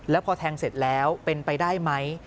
แล้วพอแทงเสร็จแล้วเป็นไปได้ไหม